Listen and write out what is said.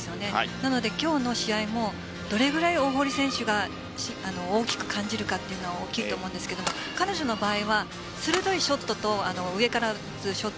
なので今、日の試合もどれぐらい大堀選手が大きく感じるかというのは大きいと思うんですが彼女の場合は鋭いショットと上から打つショット